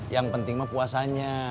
yang penting mah puasanya